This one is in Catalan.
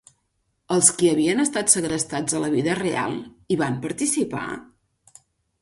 Els qui havien estat segrestats a la vida real, hi van participar?